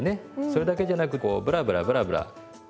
それだけじゃなくこうブラブラブラブラ。